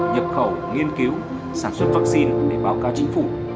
nhập khẩu nghiên cứu sản xuất vắc xin để báo cáo chính phủ